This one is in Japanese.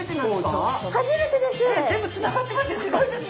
全部つながってますよ。